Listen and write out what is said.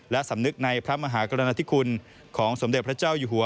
และสำนึกในพระมหากรณาธิคุณของสมเด็จพระเจ้าอยู่หัว